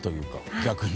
逆に。